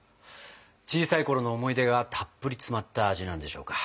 小さいころの思い出がたっぷり詰まった味なんでしょうか。